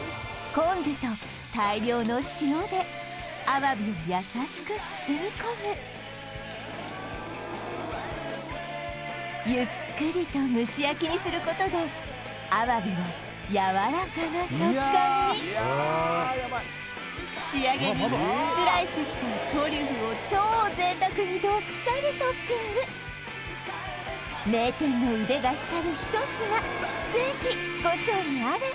昆布と大量の塩でアワビを優しく包み込むゆっくりと蒸し焼きにすることでアワビはやわらかな食感に仕上げにスライスしたトリュフを超贅沢にどっさりトッピング名店の腕が光る一品ぜひご賞味あれ